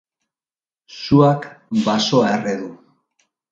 Suak basoa erre du.